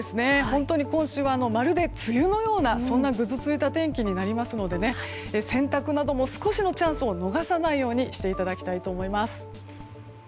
本当に今週はまるで梅雨のようなぐずついた天気になりますので洗濯なども、少しのチャンスを逃さないようにしていただきたいと思います。